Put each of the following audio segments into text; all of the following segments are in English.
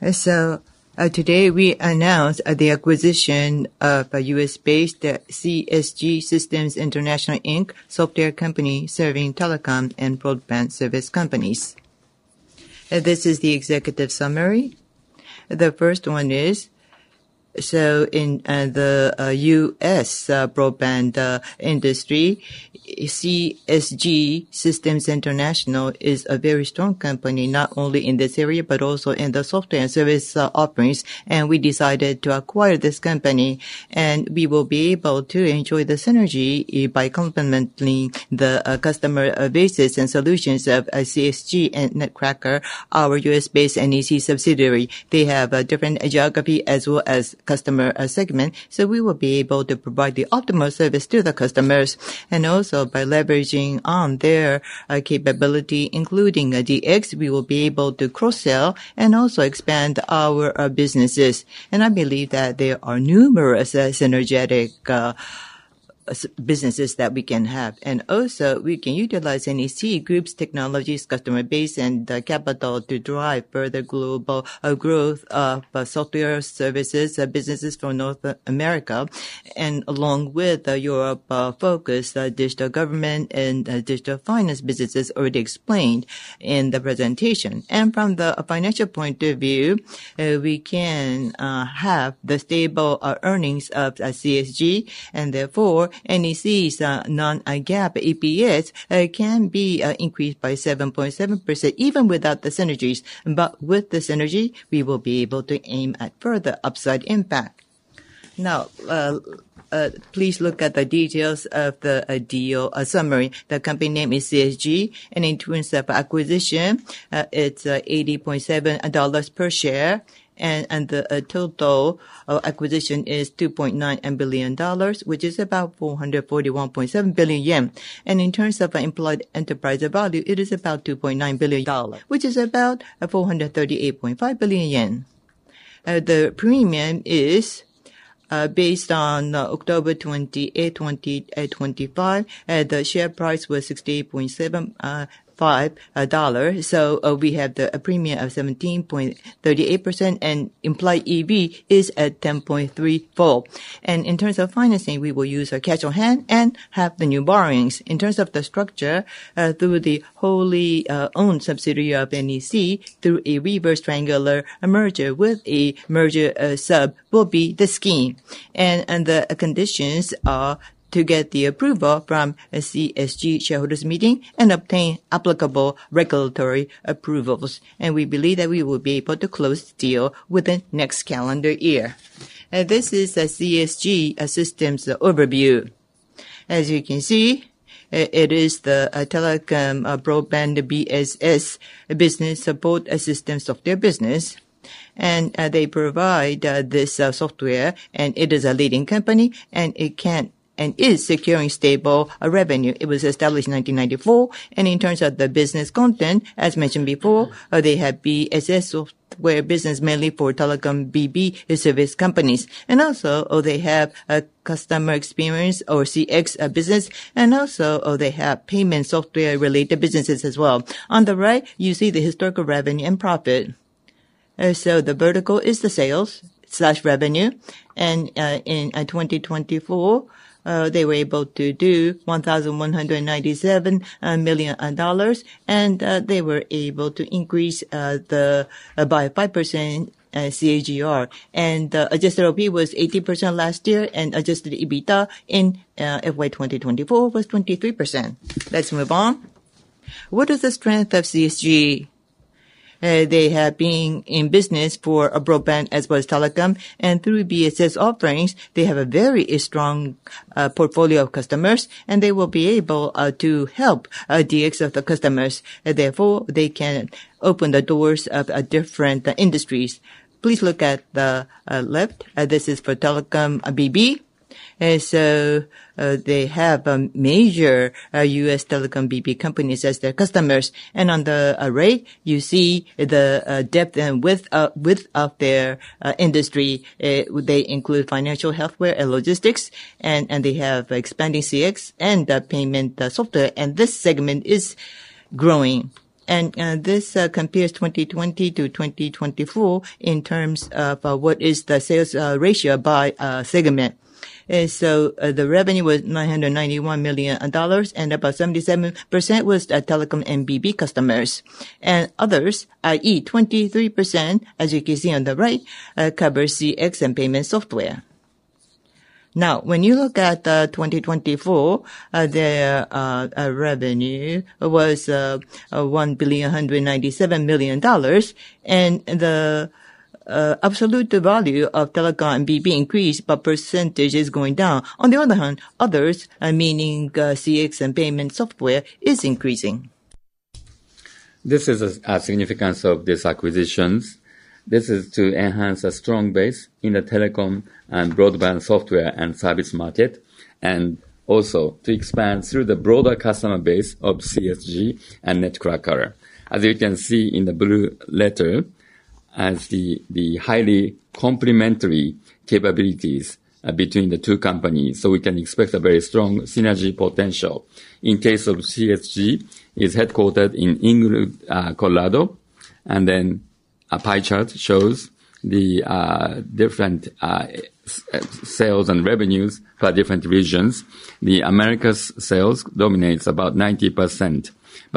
Today we announce the acquisition of U.S.-based CSG Systems International Inc., a software company serving telecom and broadband service companies. This is the executive summary. The first one is, in the U.S. broadband industry, CSG Systems International is a very strong company not only in this area but also in the software and service offerings, and we did decide to acquire this company. We will be able to enjoy the synergy by complementing the customer bases and solutions of CSG and Netcracker, our U.S.-based NEC subsidiary. They have different geography as well as customer segments, so we will be able to provide the optimal service to the customers. Also, by leveraging their capability including DX, we will be able to cross-sell and expand our businesses. I believe that there are numerous synergetic businesses that we can have, and also we can utilize NEC Group's technologies, customer base, and capital to drive further global growth of software services businesses from North America along with Europe. Focus digital government and digital finance businesses already explained in the presentation, and from the financial point of view, we can have the stable earnings of CSG, and therefore NEC's non-GAAP EPS can be increased by 7.7% even without the synergies, but with the synergies we will be able to aim at further upside impact. Now please look at the details of the summary. The company name is CSG, and in terms of acquisition, it's $80.7 per share, and the total of acquisition is $2.9 billion, which is about 441.7 billion yen, and in terms of employed enterprise value, it is about $2.9 billion, which is about 438.5 billion yen. The premium is based on October 28 2025; the share price was $68.75, so we have a premium of 17.38%, and implied EV is at 10.3. In terms of financing, we will use cash on hand and have new borrowings. In terms of the structure, through the wholly owned subsidiary of NEC, through a reverse triangular merger with a merger sub will be the scheme, and the conditions are to get the approval from CSG shareholders meeting and obtain applicable regulatory approvals, and we believe that we will be able to close the deal within next calendar year. This is a CSG Systems overview. As you can see, it is the telecom broadband BSS (business support systems) of their business, and they provide this software, and it is a leading company, and it is securing stable revenue. It was established in 1994, and in terms of the business content as mentioned before, they have BSS where business mainly for telecom BB service companies. They also have a customer experience or CX business. They also have payment software related businesses as well. On the right, you see the historical revenue and profit. The vertical is the sales revenue. In 2024, they were able to do $1,197 million, and they were able to increase that by 5%. CAGR and adjusted op was 18% last year. Adjusted EBITDA in FY 2024 was 23%. Let's move on. What is the strength of CSG? They have been in business for broadband as well as telecom, and through BSS offerings. They have a very strong portfolio of customers, and they will be able to help DX of the customers. Therefore, they can open the doors of different industries. Please look at the left. This is for telecom BB. They have major U.S. telecom BB companies as their customers. On the array, you see the depth and width of their industry. They include financial, healthware, and logistics. They have expanding CX and payment software, and this segment is growing. This compares 2020-2024 in terms of what is the sales ratio by segment. The revenue was $991 million, and about 77% was telecom and BB customers and others. That is 23%. As you can see on the right, cover CX and payment software. Now, when you look at 2024, their revenue was $1.197 billion, and the absolute value of telecom and BB increased, but percentage is going down. On the other hand, others, meaning CX and payment software, is increasing. This is a significance of these acquisitions. This is to enhance a strong base in the telecom and broadband software and service market. It is also to expand through the broader customer base of CSG and Netcracker. As you can see in the blue letter as the highly complementary capabilities between the two companies, we can expect a very strong synergy potential. In case of CSG, it is headquartered in Englewood, Colorado, and then a pie chart shows the different sales and revenues for different regions. The Americas sales dominates about 90%.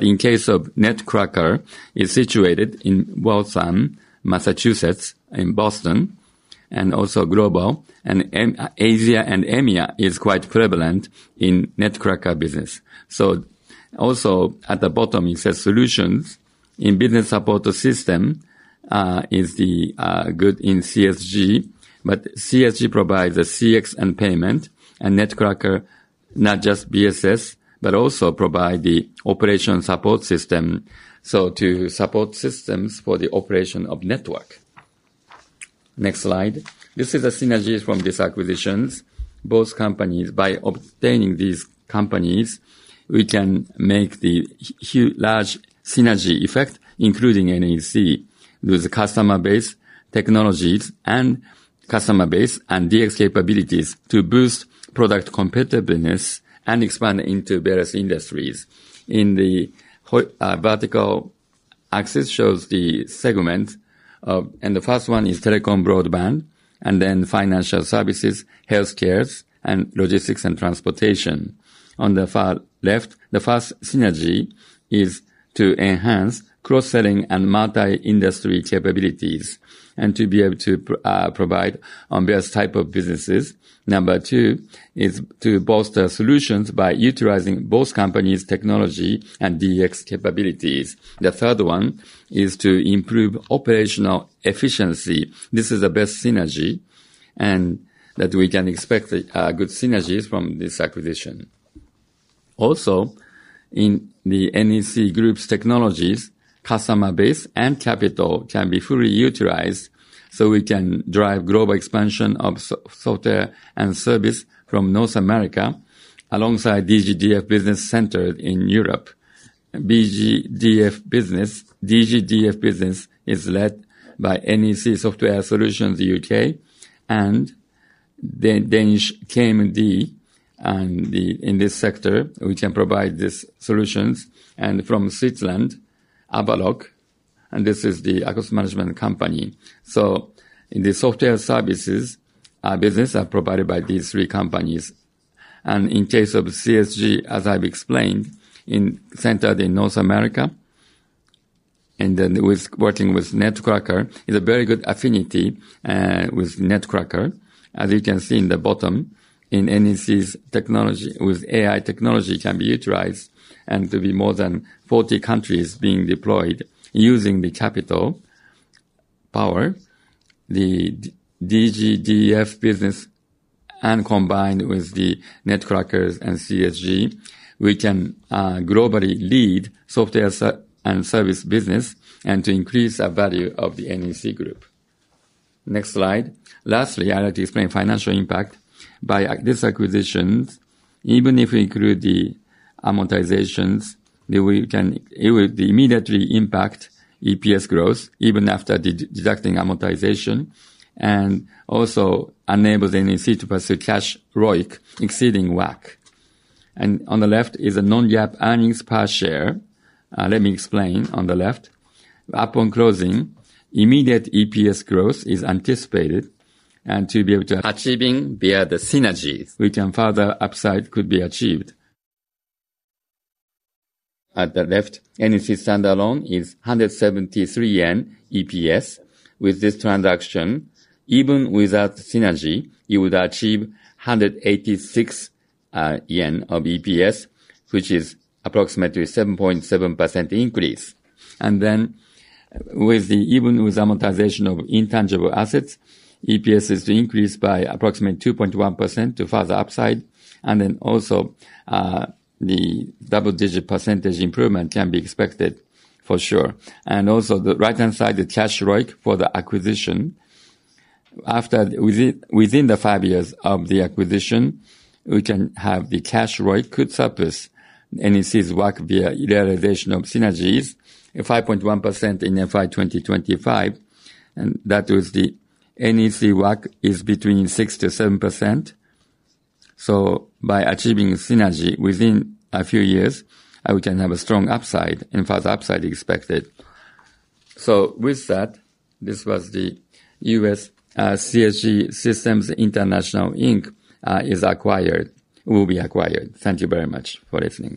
In case of Netcracker, it is situated in Waltham, Massachusetts, in Boston and also global and Asia. EMEA is quite prevalent in Netcracker business. Also at the bottom it says solutions in business support system is the good in CSG. CSG provides CX and payment, and Netcracker not just BSS but also provide the operation support system, so to support systems for the operation of network. Next slide. This is a synergy from these acquisitions. Both companies, by obtaining these companies, we can make the large synergy effect including NEC those customer base technologies and customer base and DX capabilities to boost product competitiveness and expand into various industries. In the vertical axis shows the segments and the first one is telecom, broadband, and then financial services, healthcare, and logistics and transportation. On the far left, the first synergy is to enhance cross selling and multi industry capabilities and to be able to provide various types of businesses. Number two is to bolster solutions by utilizing both companies technology and DX capabilities. The third one is to improve operational efficiency. This is the best synergy and that we can expect good synergies from this acquisition. Also in the NEC group's technologies, customer base, and capital can be fully utilized. We can drive global expansion of software and service from North America alongside digital government and digital finance business center in Europe. Digital government and digital finance business is led by NEC Software Solutions UK and Danish KMD. In this sector we can provide these solutions. From Switzerland, Avaloq, and this is the management company. In the software services business, these are provided by these three companies. In case of CSG, as I've explained, it is centered in North America and then with working with Netcracker is a very good affinity with Netcracker. As you can see in the bottom, NEC's technology with AI technology can be utilized and to be more than 40 countries being deployed. Using the capital power, the DGDF business and combined with Netcracker and CSG, we can globally lead software and service business and to increase the value of the NEC Group. Next slide. Lastly, I'd like to explain financial impact by these acquisitions. Even if we include the amortizations, it would immediately impact EPS growth even after deducting amortization. It would also enable NEC to pursue cash ROIC exceeding WACC. On the left is a non-GAAP earnings per share. Let me explain. On the left, upon closing, immediate EPS growth is anticipated and to be able to achieving via the synergies, which a further upside could be achieved. At the left, NEC standalone is 173 yen EPS. With this transaction, even without synergy, it would achieve 186 yen of EPS, which is approximately 7.7% increase. Even with amortization of intangible assets, EPS is to increase by approximately 2.1% to further upside. Also, the double-digit percentage improvement can be expected for sure. On the right-hand side, the cash ROIC for the acquisition. Within the five years of the acquisition, we can have the cash rate could surplus NEC's WACC via realization of synergies, 5.1% in FY 2025, and that was the NEC. WACC is between 6%-7%. By achieving synergy within a few years, we can have a strong upside and further upside expected. With that, this was the U.S. CSG Systems International Inc. will be acquired. Thank you very much for listening.